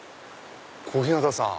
小日向さん。